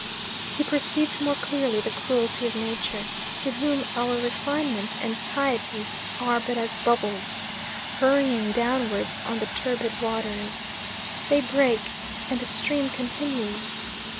He perceived more clearly the cruelty of Nature, to whom our refinement and piety are but as bubbles, hurrying downwards on the turbid waters. They break, and the stream continues.